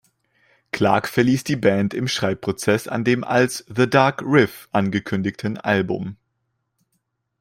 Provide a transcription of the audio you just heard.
Clarke verließ die Band im Schreibprozess an dem als "The Dark Riff" angekündigten Album.